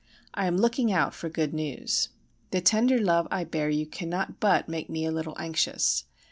I am looking out for good news. The tender love I bear you cannot but make me a little anxious.